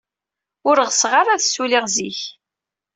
Ur ɣseɣ ara ad ssulliɣ zik.